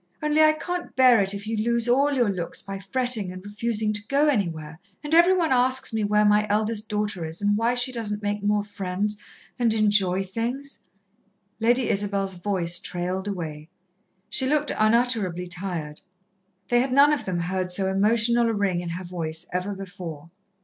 only I can't bear it if you lose all your looks by frettin' and refusin' to go anywhere, and every one asks me where my eldest daughter is and why she doesn't make more friends, and enjoy things " Lady Isabel's voice trailed away. She looked unutterably tired. They had none of them heard so emotional a ring in her voice ever before.